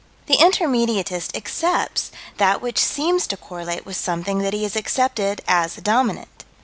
The intermediatist accepts that which seems to correlate with something that he has accepted as a dominant.